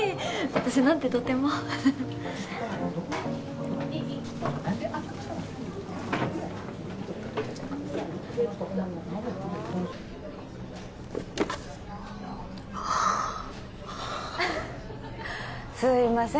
私なんてとてもすいません